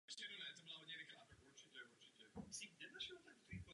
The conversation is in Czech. Nejmladší horniny se vyskytují v severní a centrální části ostrova.